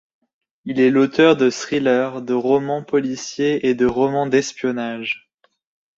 Il est l'auteur de thrillers, de romans policiers et de romans d'espionnage.